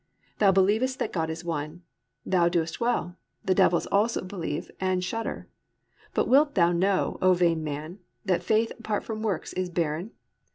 Thou believest that God is one; thou doest well: the devils also believe and shudder. But wilt thou know, O vain man, that faith apart from works is barren?